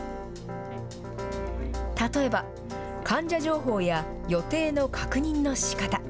例えば、患者情報や予定の確認のしかた。